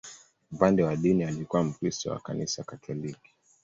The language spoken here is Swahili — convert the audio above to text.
Upande wa dini, alikuwa Mkristo wa Kanisa Katoliki.